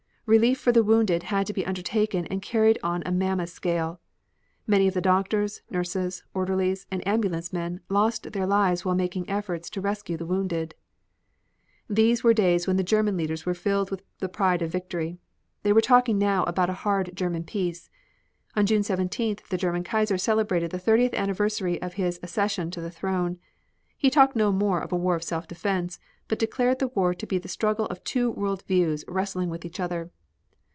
Relief for the wounded had to be undertaken and carried on a mammoth scale. Many of the doctors, nurses, orderlies and ambulance men lost their lives while making efforts to rescue the wounded. These were days when the German leaders were filled with the pride of victory. They were talking now about a hard German peace. On June 17th the German Kaiser celebrated the thirtieth anniversary of his accession to the throne. He talked no more of a war of self defense, but declared the war to be the struggle of two world views wrestling with each other.